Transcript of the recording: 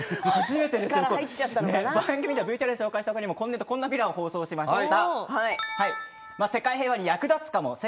番組ではＶＴＲで紹介した他にも今年度こんなヴィランを放送しました。